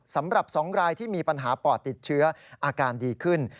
สำหรับ๒รายที่มีปัญหาปอดติดเชื้ออาการดีขึ้น